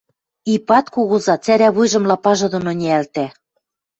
Ипат кугуза цӓрӓ вуйжым лапажы доно ниӓлтӓ